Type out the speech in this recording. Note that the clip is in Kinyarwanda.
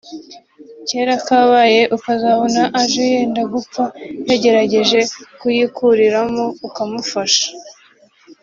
kera kabaye ukazabona aje yenda gupfa yagerageje kuyikuriramo ukamufasha